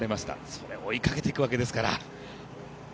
それを追いかけてくわけですから。